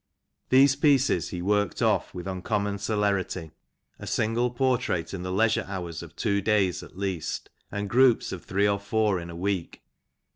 These pieces he worked off with uncommon celerity ; a single portrait in the leisure hours of two days, at least, and a group of three or four, in a week.